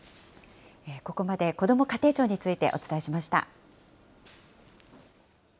ここまでこども家庭庁についてお伝えしました。